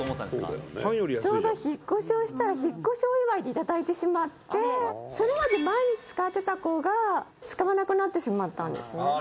「ちょうど引っ越しをしたら引っ越しお祝いで頂いてしまってそれまで毎日使ってた子が使わなくなってしまったんですね」